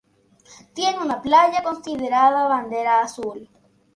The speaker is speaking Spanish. Tiene una playa considerada Bandera Azul.